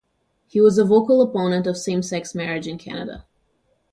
He was a vocal opponent of same-sex marriage in Canada.